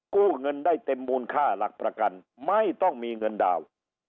กู้เงินได้เต็มมูลค่าหลักประกันไม่ต้องมีเงินดาวน์